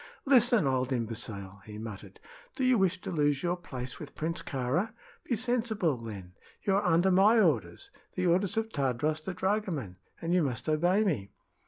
"Listen, old imbecile!" he muttered. "Do you wish to lose your place with Prince Kāra? Be sensible, then. You are under my orders the orders of Tadros the dragoman, and you must obey me."